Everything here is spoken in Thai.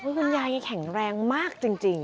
คุณยายแข็งแรงมากจริง